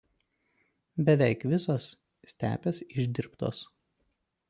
Beveik visos stepės išdirbtos.